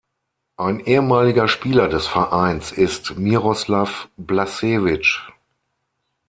Ein ehemaliger Spieler des Vereins ist Miroslav Blažević.